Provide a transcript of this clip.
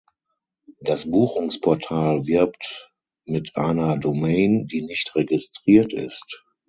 Das Buchungsportal wirbt mit einer Domain, die nicht registriert ist.